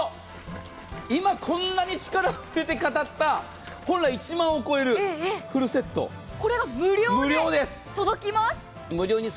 今こんなに力を入れて語った本来１万を超えるこれが無料で届きます。